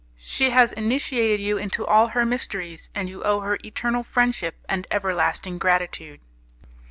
She has initiated you into all her mysteries, and you owe her eternal friendship and everlasting gratitude."